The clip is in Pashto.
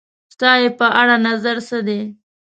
ستا یی په اړه نظر څه دی؟